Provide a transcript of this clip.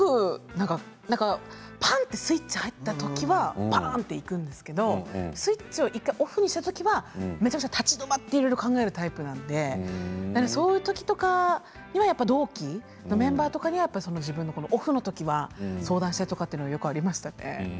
パン！とスイッチが入った時はパン！といくんですけどスイッチをオフにした時はめちゃめちゃ立ち止まっていろいろ考えるタイプなのでそういう時とかには同期のメンバーとかには自分のオフの時は相談したりというのはよくありましたね。